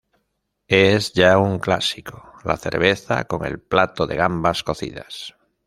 Es ya un clásico la cerveza con el plato de gambas cocidas.